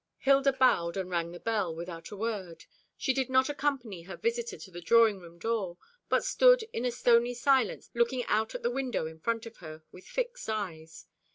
Hilda bowed and rang the bell, without a word. She did not accompany her visitor to the drawing room door, but stood in a stony silence looking out at the window in front of her, with fixed eyes.